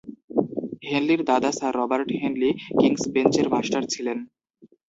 হেনলির দাদা sir Robert Henley King's বেঞ্চের master ছিলেন।